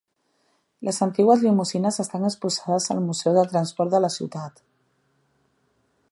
Les antigues limusines estan exposades al Museu del Transport de la ciutat.